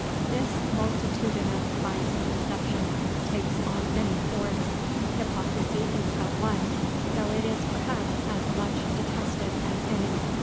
This multitudinous vice of deception takes on many forms. Hypocrisy is but one, though it is perhaps as much detested as any.